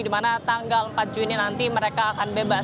di mana tanggal empat juni nanti mereka akan bebas